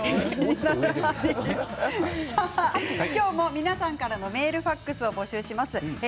皆さんからのメール、ファックスを募集します。